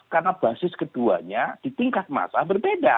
karena basis keduanya di tingkat masalah berbeda